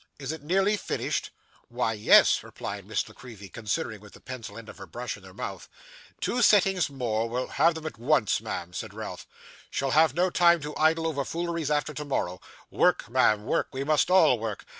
Is it nearly finished?' 'Why, yes,' replied Miss La Creevy, considering with the pencil end of her brush in her mouth. 'Two sittings more will ' 'Have them at once, ma'am,' said Ralph. 'She'll have no time to idle over fooleries after tomorrow. Work, ma'am, work; we must all work.